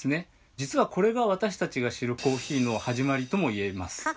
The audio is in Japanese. じつはこれが私たちが知るコーヒーの始まりとも言えます。